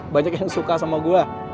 banyak yang suka sama gue